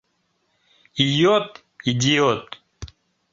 Ийот — идиот.